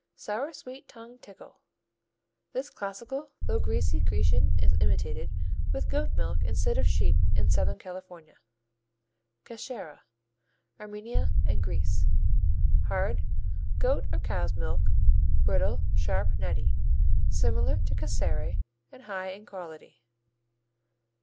Sour sweet tongue tickle. This classical though greasy Grecian is imitated with goat milk instead of sheep in Southern California. Cashera Armenia and Greece Hard; goat or cow's milk; brittle; sharp; nutty. Similar to Casere and high in quality.